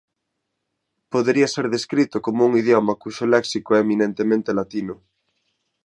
Podería ser descrito como "un idioma cuxo léxico é eminentemente latino.